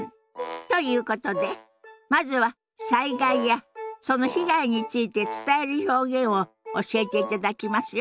ということでまずは災害やその被害について伝える表現を教えていただきますよ。